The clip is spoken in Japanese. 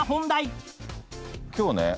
今日ね